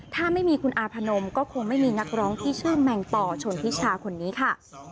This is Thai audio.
ถ้าไม่มีคุณอาพนมก็คงไม่มีนักร้องที่ชื่อแมงต่อชนทิชาคนนี้ค่ะ